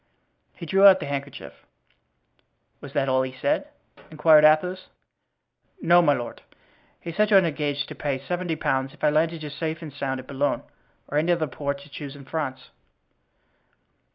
And he drew out the handkerchief. "Was that all he said?" inquired Athos. "No, my lord; he said you had engaged to pay seventy pounds if I landed you safe and sound at Boulogne or any other port you choose in France."